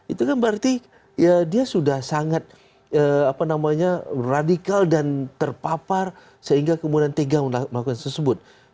itu kan berarti dia sudah sangat radikal dan terpapar sehingga kemudian tegang melakukan tersebut